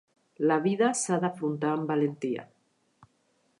La vida s'ha d'afrontar amb valentia.